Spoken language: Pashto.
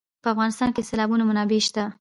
په افغانستان کې د سیلابونه منابع شته.